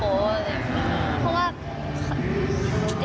เพราะว่า